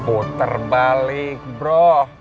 oh terbalik bro